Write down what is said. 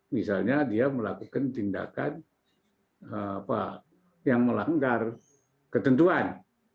misalnya dia melakukan tindakan yang melanggar ketentuan